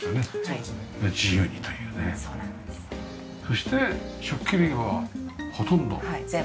そして食器類はほとんど。